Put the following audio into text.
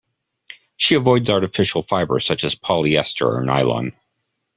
She avoids artificial fibres such as polyester or nylon.